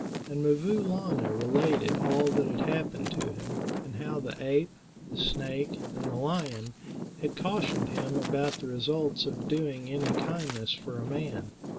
And 'Mvoo Laana related all that had happened to him, and how the ape, the snake, and the lion had cautioned him about the results of doing any kindness for a man.